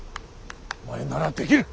お前ならできる。